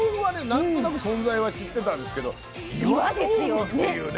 何となく存在は知ってたんですけど岩豆腐っていうね。